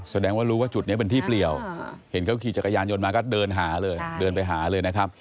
แสดงว่ารู้ว่าจุดนี้เป็นที่เปรียวเห็นเขากี่จักรยานยนต์มาก็เดินไปหาเลย